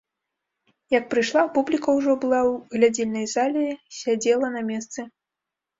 Як прыйшла, публіка ўжо была ў глядзельнай зале й сядзела на месцы.